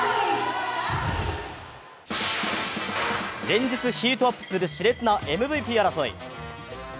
連日、ヒートアップするしれつなＭＶＰ争い